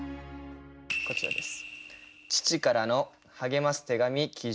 こちらです。